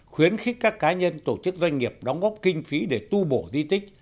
khuyến khích các cá nhân tổ chức doanh nghiệp đóng góp kinh phí để tu bổ di tích